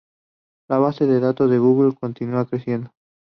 La base de datos de Google continúa creciendo.